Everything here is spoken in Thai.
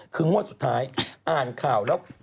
คืองวดสุดท้ายอ่านข่าวแล้ว